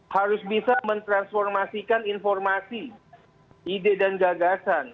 harus bisa mentransformasikan informasi ide dan gagasan